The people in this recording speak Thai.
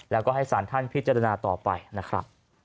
แล้วก็ให้สารท่านพิจารณาต่อไปนะครับ